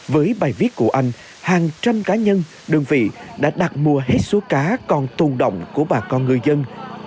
với bài viết của anh hàng trăm cá nhân đơn vị đã đặt mua hết số cá còn tồn động của bà con người dân